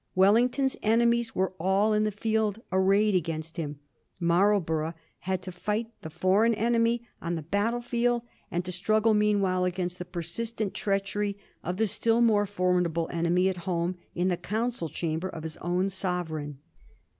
Wellington's enemies were all in the field arrayed against him ; Marlborough had to fight the foreign enemy on the battle field, and to struggle meanwhile against the persistent treachery of the stiU more formidable enemy at home in the council chamber of his own sovereign.